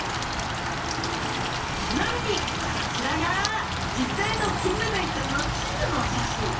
ちなみにこちらが実際のキンメダイちゃんの稚魚の写真。